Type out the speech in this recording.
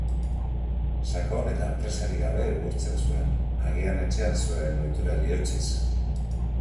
Sakon eta presarik gabe igurzten zuen, agian etxean zuen ohiturari eutsiz.